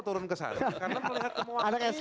turun ke sana karena melihat kemuatan itu